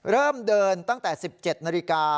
เริ่มเดินตั้งแต่๑๗นาฬิกา